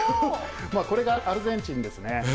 これがアルゼンチンですね。